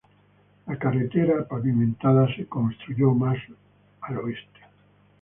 La carretera pavimentada se construyó más al oeste.